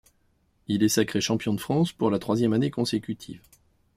Il est sacré champion de France pour la troisième année consécutive.